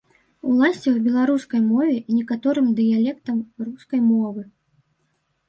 Уласціва беларускай мове і некаторым дыялектам рускай мовы.